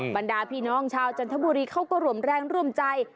บรรดาพี่น้องชาวจันทบุรีเขาก็ร่วมแรงร่วมใจ